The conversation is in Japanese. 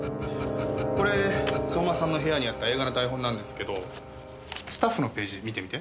これ相馬さんの部屋にあった映画の台本なんですけどスタッフのページ見てみて。